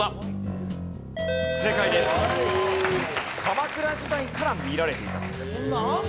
鎌倉時代から見られていたそうです。